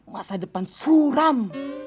masa depan suram